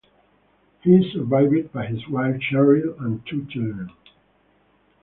He is survived by his wife Cheryl and two children.